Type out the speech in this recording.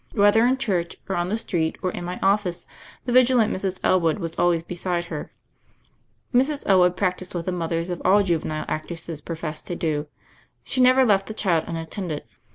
Whether in church or on the street or in my office, the vigilant Mrs. Elwood was always beside her. Mrs. Elwood practised what the mothers of all juvenile actresses pro fess to do : she never left the child unattended.